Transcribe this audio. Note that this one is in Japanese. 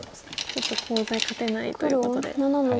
ちょっとコウ材勝てないということで。